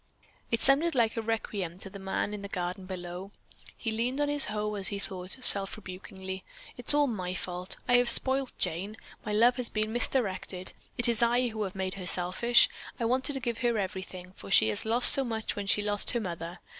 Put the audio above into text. It sounded like a requiem to the man in the garden below. He leaned on his hoe as he thought, self rebukingly, "It is all my fault. I have spoiled Jane. My love has been misdirected. It is I who have made her selfish. I wanted to give her everything, for she had lost so much when she lost her mother.